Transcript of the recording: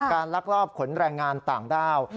การรักรอบขนแรงงานต่างดาว